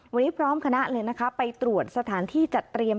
วันนี้พร้อมคณะเลยนะคะไปตรวจสถานที่จัดเตรียม